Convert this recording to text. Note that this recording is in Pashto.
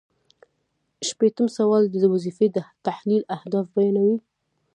شپیتم سوال د وظیفې د تحلیل اهداف بیانوي.